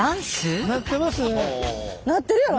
なってるやろ？